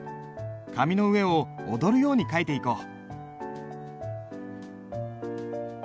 紙の上を踊るように書いていこう。